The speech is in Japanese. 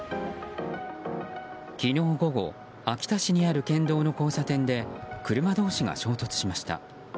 昨日午後秋田市にある県道の交差点で車同士が衝突しました。